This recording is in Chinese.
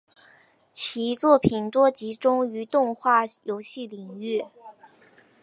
其作品多集中于动画游戏领域。